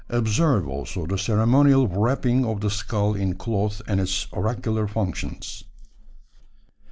Observe, also, the ceremonial wrapping of the skull in cloth and its oracular functions.